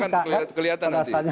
nanti akan kelihatan nanti